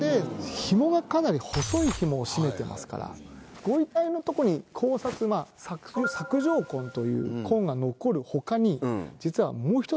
ひもがかなり細いひもで絞めてますからご遺体のとこに索条痕という痕が残る他に。